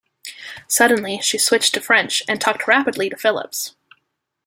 Suddenly she switched to French, and talked rapidly to Phillips.